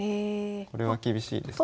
これは厳しいですね。